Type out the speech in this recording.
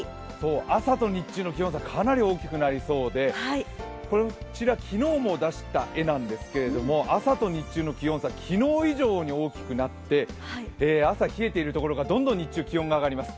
朝と日中の気温差、かなり大きくなりそうで、こちら、昨日も出した絵なんですけれども朝と日中の気温差、昨日以上に大きくなって朝冷えているところが、どんどん日中、気温が上がります。